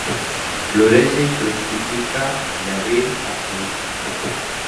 Florece y fructifica de Abril a Junio.